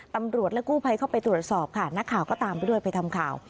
ตำรวจและกู้ภัยเข้าไปตรวจสอบค่ะนักข่าวก็ตามไปด้วยไปทำข่าว